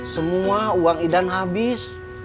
semua uang idan habis